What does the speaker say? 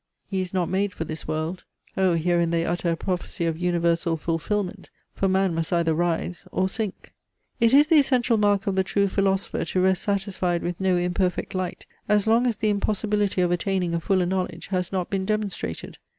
he is not made for this world." Oh! herein they utter a prophecy of universal fulfilment; for man must either rise or sink. It is the essential mark of the true philosopher to rest satisfied with no imperfect light, as long as the impossibility of attaining a fuller knowledge has not been demonstrated.